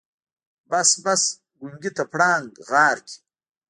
بس بس ګونګي ته پړانګ غار کې.